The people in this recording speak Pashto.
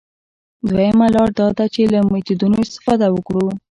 دویمه لاره دا ده چې له میتودونو استفاده وکړو.